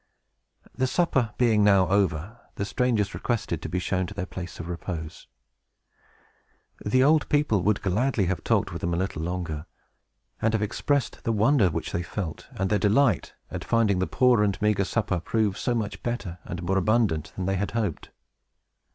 The supper being now over, the strangers requested to be shown to their place of repose. The old people would gladly have talked with them a little longer, and have expressed the wonder which they felt, and their delight at finding the poor and meagre supper prove so much better and more abundant than they hoped.